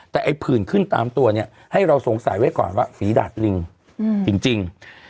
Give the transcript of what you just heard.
แต่ไอ้ผื่นขึ้นตามตัวเนี่ยให้เราสงสัยไว้ก่อนว่าฝีดาดลิงจริง